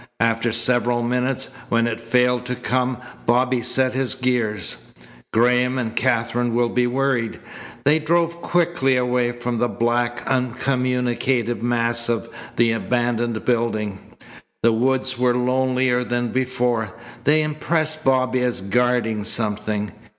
After several minutes, when it failed to come, Bobby set his gears. "Graham and Katherine will be worried." They drove quickly away from the black, uncommunicative mass of the abandoned building. The woods were lonelier than before. They impressed Bobby as guarding something.